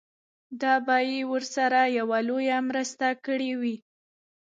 دا به يې ورسره يوه لويه مرسته کړې وي.